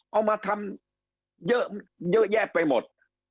เอามาทำเยอะแยะไปหมด